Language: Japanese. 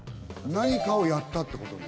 何かをやったってことね。